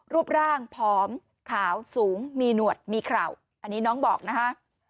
รูปร่างผอมขาวสูงมีหนวดมีเข่าอันนี้น้องบอกนะคะ